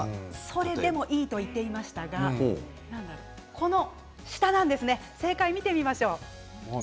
それでもいいと言っていましたが正解を見てみましょう。